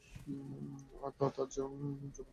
আর তার জবানকে রাসূলের নিন্দায় বন্ধনহীন করে দিলেন।